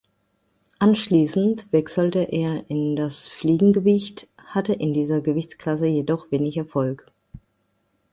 Anschließend wechselte er in das Fliegengewicht, hatte in dieser Gewichtsklasse jedoch wenig Erfolg.